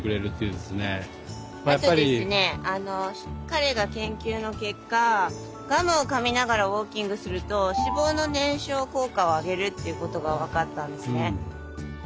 彼が研究の結果ガムをかみながらウォーキングすると脂肪の燃焼効果を上げるっていうことが分かったんですね。